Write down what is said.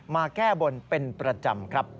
มาแก้บนเป็นประจำครับ